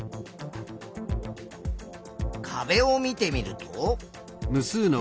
壁を見てみると。